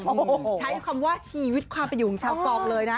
ใช้คำว่าชีวิตความเป็นอยู่ของชาวกอง